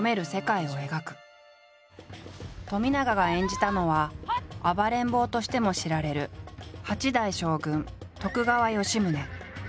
冨永が演じたのは「暴れん坊」としても知られる八代将軍徳川吉宗。